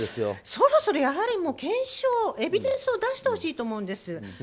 そろそろ検証、エビデンスを出してほしいと思うんです。